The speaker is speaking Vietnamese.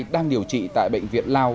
đang điều trị tại bệnh viện lao